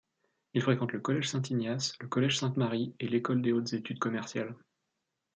Il fréquente le Collège Saint-Ignace, le Collège Sainte-Marie et l'École des hautes études commerciales.